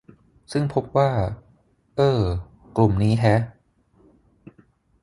ซึ่งพบว่า เอ้อ กลุ่มนี้แฮะ